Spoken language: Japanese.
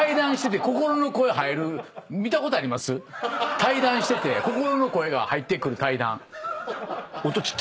対談してて心の声が入ってくる対談。